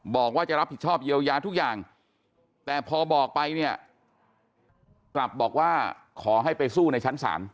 บอกว่าจะรับผิดชอบเยียวยาทุกอย่างแต่พอบอกไปเนี่ยกลับบอกว่าขอให้ไปสู้ในชั้นศาล